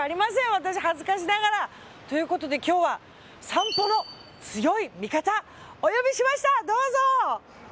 私、恥ずかしながら。ということで、今日は散歩の強い味方をお呼びしました。